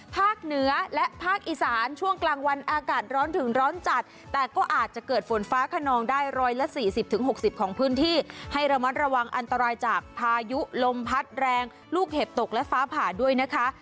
เหนือและภาคอีสานช่วงกลางวันอากาศร้อนถึงร้อนจัดแต่ก็อาจจะเกิดฝนฟ้าขนองได้๑๔๐๖๐ของพื้นที่ให้ระมัดระวังอันตรายจากพายุลมพัดแรงลูกเห็บตกและฟ้าผ่าด้วยนะคะ